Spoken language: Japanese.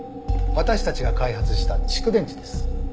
私たちが開発した蓄電池です。